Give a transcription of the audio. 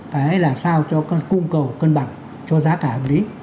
cái làm sao cho cung cầu cân bằng cho giá cả hợp lý